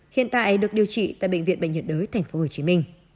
hiện tại được điều trị tại bệnh viện bệnh nhiệt đới tp hcm